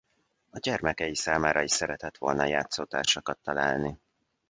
A gyermekei számára is szeretett volna játszótársakat találni.